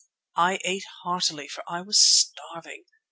I ate heartily, for I was starving.